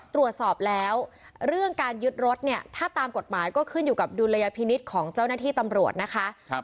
ตรวจสอบแล้วเรื่องการยึดรถเนี่ยถ้าตามกฎหมายก็ขึ้นอยู่กับดุลยพินิษฐ์ของเจ้าหน้าที่ตำรวจนะคะ